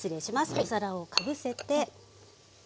お皿をかぶせて。